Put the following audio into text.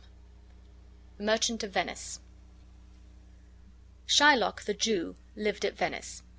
THE MERCHANT OF VENICE Shylock, the Jew, lived at Venice.